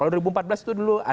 jadi kpu menentukan ya